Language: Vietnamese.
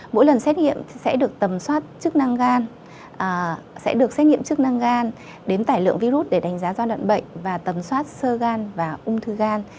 mỗi lần xét nghiệm sẽ được tầm soát chức năng gan sẽ được xét nghiệm chức năng gan đến tải lượng virus để đánh giá giai đoạn bệnh và tầm soát sơ gan và ung thư gan